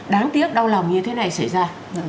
đáng tiếc đau lòng như thế này xảy ra